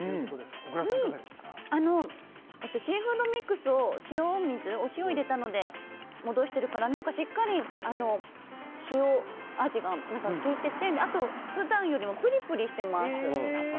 シーフードミックスを塩に入れてから戻してるからしっかり塩味がきいててあと、普段よりもプリプリしてます。